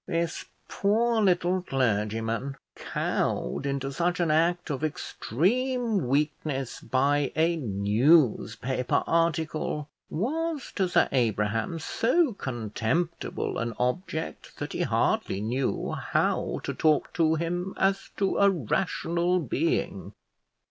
This poor little clergyman, cowed into such an act of extreme weakness by a newspaper article, was to Sir Abraham so contemptible an object, that he hardly knew how to talk to him as to a rational being.